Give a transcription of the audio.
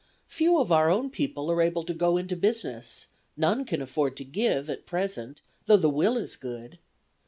Few of our own people are able to go into business; none can afford to give at present, though the will is good.